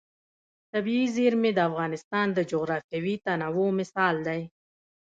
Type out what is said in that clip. طبیعي زیرمې د افغانستان د جغرافیوي تنوع مثال دی.